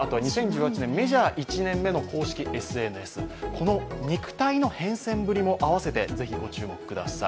この肉体の変遷ぶりも合わせて、是非ご注目ください。